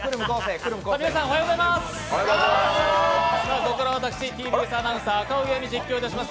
ここからは私、ＴＢＳアナウンサー・赤荻歩が実況いたします。